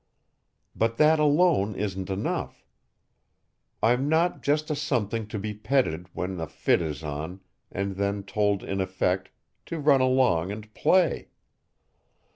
But that alone isn't enough. I'm not just a something to be petted when the fit is on and then told in effect to run along and play.